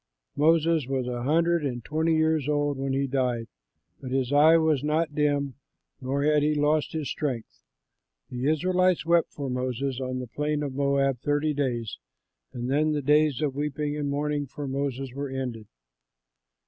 Moses was a hundred and twenty years old when he died, but his eye was not dim nor had he lost his strength. The Israelites wept for Moses on the plain of Moab thirty days, and then the days of weeping and mourning for Moses were ended.